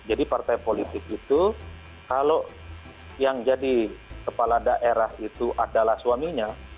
jadi partai politik itu kalau yang jadi kepala daerah itu adalah suaminya